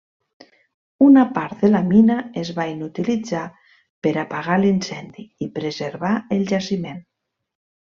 Una part de la mina es va inutilitzar per apagar l'incendi i preservar el jaciment.